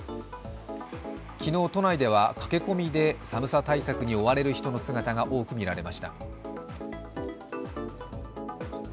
昨日都内では駆け込みで寒さ対策に追われる人の姿が多く見られました。